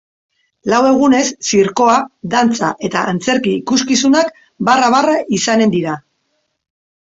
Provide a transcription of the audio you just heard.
Lau egunez, zirkoa, dantza eta antzerki ikuskizunak barra-barra izanen dira.